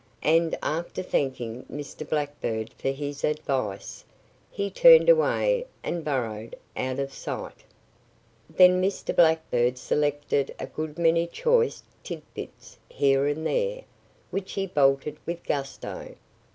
And after thanking Mr. Blackbird for his advice, he turned away and burrowed out of sight. Then Mr. Blackbird selected a good many choice tidbits here and there, which he bolted with gusto.